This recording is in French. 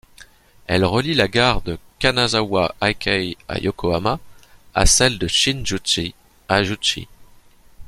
Elle relie la gare de Kanazawa-Hakkei à Yokohama à celle de Shin-Zushi à Zushi.